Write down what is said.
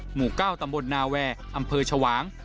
หมู่๙ตำบลนาแวร์อำเภอชวาง